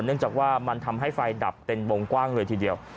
เนื่องจากว่ามันทำให้ไฟดับเป็นวงกว้างเลยทีเดียว